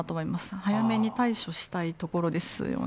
早めに対処したいところですよね。